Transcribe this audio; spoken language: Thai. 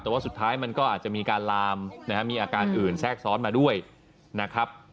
แต่ว่าสุดท้ายมันก็อาจจะมีการลามนะฮะมีอาการอื่นแทรกซ้อนมาด้วยนะครับ